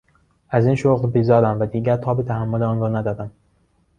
از این شغل بیزارم و دیگر تاب تحمل آن را ندارم!